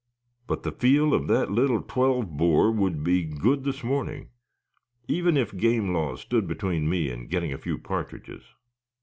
But the feel of that little twelve bore would be good this morning, even if game laws stood between me and getting a few partridges."